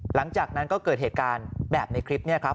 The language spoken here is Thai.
หลังจากนั้นก็เกิดเหตุการณ์แบบในคลิปนี้ครับ